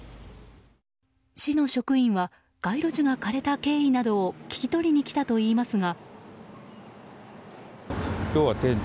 市の職員は街路樹が枯れた経緯などを聞き取りに来たといいますが。